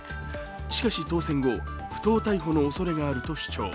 しかし、当選後不当逮捕のおそれがあると主張。